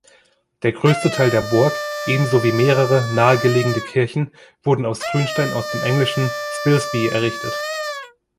Der größte Teil der Burg, ebenso wie mehrere nahegelegene Kirchen, wurde aus Grünstein aus dem englischen Spilsby errichtet.